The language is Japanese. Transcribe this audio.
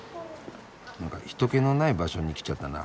なんか人けのない場所に来ちゃったな。